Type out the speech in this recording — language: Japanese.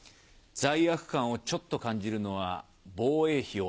罪悪感をちょっと感じるのは防衛費を上げた時。